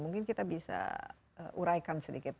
mungkin kita bisa uraikan sedikit